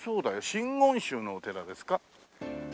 真言宗のお寺ですか？